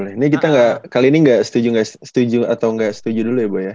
ini kita kali ini tidak setuju atau tidak setuju dulu ya bo ya